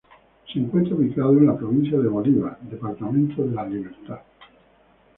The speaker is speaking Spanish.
Se encuentra ubicado en la provincia de Bolívar, departamento de La Libertad.